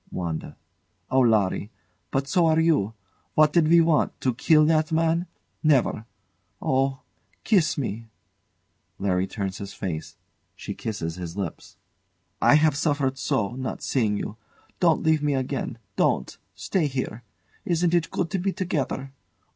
WANDA. Oh, Larry! But so are you. What did we want to kill that man? Never! Oh! kiss me! [LARRY turns his face. She kisses his lips.] I have suffered so not seein' you. Don't leave me again don't! Stay here. Isn't it good to be together?